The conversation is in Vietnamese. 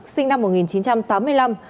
sinh năm một nghìn chín trăm tám mươi